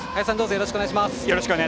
よろしくお願いします。